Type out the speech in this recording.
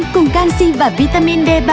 cùng canxi và vitamin d ba